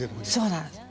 そうなんです。